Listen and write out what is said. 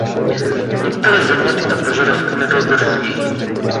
Některé země tyto požadavky nedodržují.